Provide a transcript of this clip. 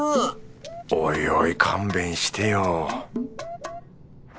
おいおい勘弁してよ